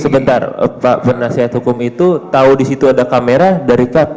sebentar pak penasihat hukum itu tau disitu ada kamera dari siapa